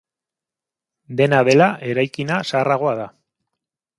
Dena dela, eraikina zaharragoa da.